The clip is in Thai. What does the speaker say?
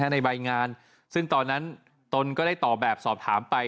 ในใบงานซึ่งตอนนั้นตนก็ได้ตอบแบบสอบถามไป